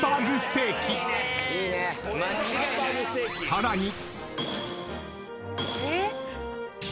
［さらに］